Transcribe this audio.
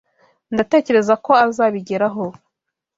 Ndatekereza ko azabigeraho.